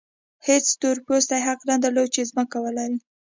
هېڅ تور پوستي حق نه درلود چې ځمکه ولري.